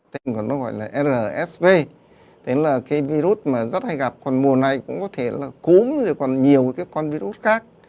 tên của nó gọi là rsv tên là virus rất hay gặp còn mùa này cũng có thể là cúm còn nhiều con virus khác